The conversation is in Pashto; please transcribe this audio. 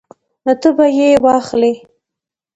نو ته به یې واخلې